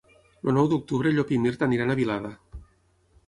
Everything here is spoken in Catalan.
El nou d'octubre en Llop i en Mirt aniran a Vilada.